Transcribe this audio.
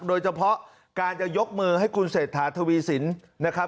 โดยเฉพาะการยกมือให้คุณเสนต์ถาทวีศิลป์